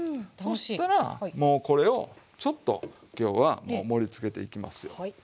そしたらもうこれをちょっと今日は盛りつけていきますよ。